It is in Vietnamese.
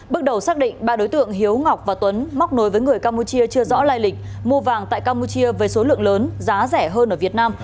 bước đầu xác định ba đối tượng hiếu ngọc và tuấn móc nối với người campuchia chưa rõ lai lịch mua vàng tại campuchia với số lượng lớn giá rẻ hơn ở việt nam